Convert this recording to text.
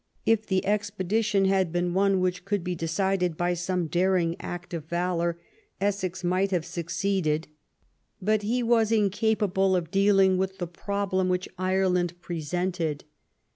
If the expedition had been one which could be decided by some daring act of valour, Essex might have succeeded; but he was incapable of dealing with the problem which Ireland presented.